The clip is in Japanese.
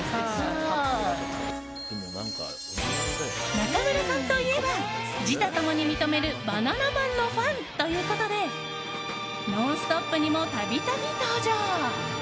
中村さんといえば自他共に認めるバナナマンのファンということで「ノンストップ！」にも度々、登場。